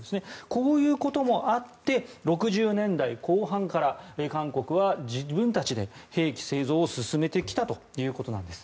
こういうこともあって６０年代後半から韓国は自分たちで兵器製造を進めてきたということです。